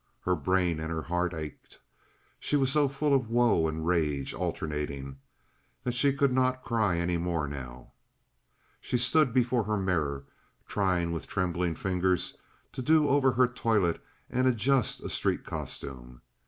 Her brain and her heart ached. She was so full of woe and rage, alternating, that she could not cry any more now. She stood before her mirror trying with trembling fingers to do over her toilet and adjust a street costume.